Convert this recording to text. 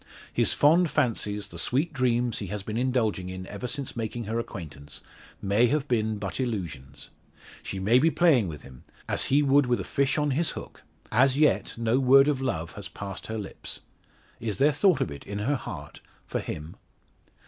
His fond fancies, the sweet dreams he has been indulging in ever since making her acquaintance, may have been but illusions. She may be playing with him, as he would with a fish on his hook. As yet, no word of love has passed her lips. Is there thought of it in her heart for him?